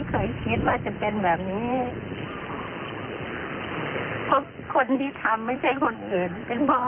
ครับ้าก่อนนะครับ